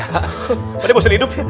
padahal nggak usah hidup ya